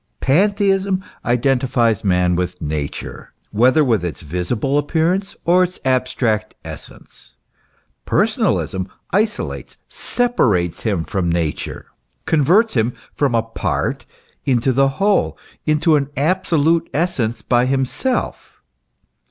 Pantheism identifies man with Nature, whether with its visible appearance, or its abstract essence, Personalism isolates, separates him from Nature ; converts him from a part into the whole, into an absolute essence by himself.